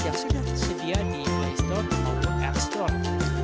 yang sudah tersedia di play store atau app store